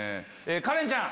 カレンちゃん